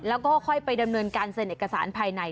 แล้วก็ค่อยไปดำเนินการเซ็นเอกสารภายใน